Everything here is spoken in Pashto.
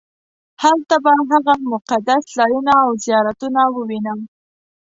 هلته به هغه مقدس ځایونه او زیارتونه ووینم.